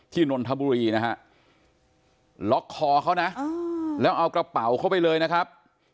นนทบุรีนะฮะล็อกคอเขานะแล้วเอากระเป๋าเข้าไปเลยนะครับ